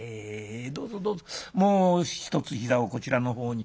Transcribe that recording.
どうぞどうぞもう一つ膝をこちらの方に」。